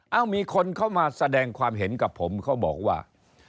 มีคนเข้ามาแสดงความเห็นกับผมเขาบอกว่า